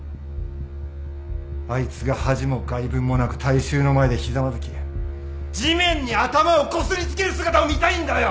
あいつが恥も外聞もなく大衆の前でひざまずき地面に頭をこすり付ける姿を見たいんだよ！